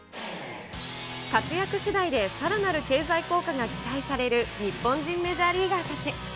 活躍しだいでさらなる経済効果が期待される日本人メジャーリーガーたち。